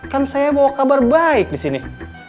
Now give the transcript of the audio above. kan saya bawa kabar baik disini